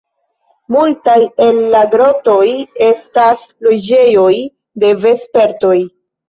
Multaj el la grotoj estas loĝejoj de vespertoj.